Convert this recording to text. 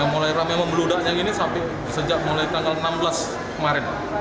mulai ramai membudaknya ini sampai sejak mulai tanggal enam belas kemarin